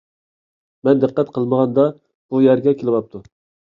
مەن دىققەت قىلمىغاندا، بۇ يەرگە كېلىۋاپتۇ.